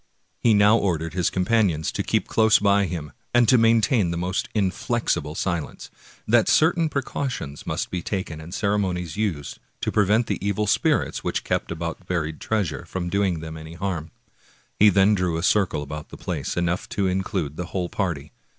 He now ordered his companions to keep close by him, and to maintain the most inflexible silence; that certain precau tions must be taken and ceremonies used to prevent the evil spirits which kept about buried treasure from doing them any harm. He then drew a circle about the place, enough to include the whole party.